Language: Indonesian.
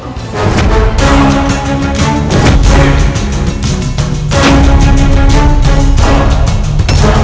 kau tak bisa menyerahkan ayah anda